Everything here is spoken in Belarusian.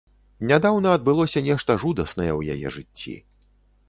Нядаўна адбылося нешта жудаснае ў яе жыцці.